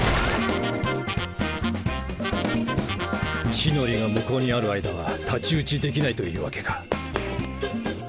地の利が向こうにある間は太刀打ちできないというわけか。